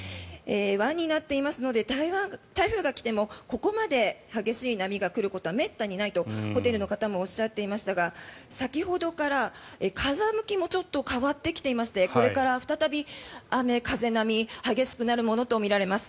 湾になっていますので台風が来てもここまで激しい波が来ることはめったにないとホテルの方もおっしゃっていましたが先ほどから風向きもちょっと変わってきていましてこれから再び雨、風、波が激しくなるものとみられます。